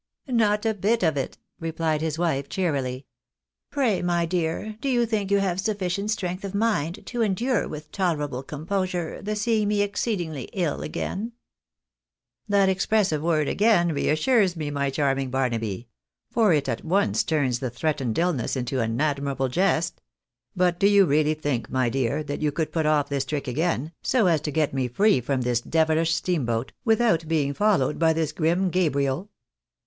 " Not a bit of it," replied his wife, cheerily. " Pray, my dear. 298 THE EARNABYS IN AMERICA. do you think you have sufficient strength of mind to endure with tolerable composure the seeing me exceedingly ill again ?"" That expressive word, again, reassures me, my charming Barnaby ; for it at once turns the tlu^eatened illness into an admir able jest. But do you really think, my dear, that you could put olf this trick again, so as to get me free from this deviUsh steam boat, without being followed by this grim Gabriel?